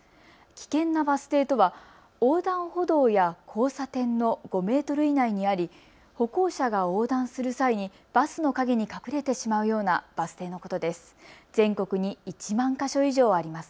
危険なバス停とは横断歩道や交差点の５メートル以内にあり歩行者が横断する際にバスの陰に隠れてしまうようなバス停のことです。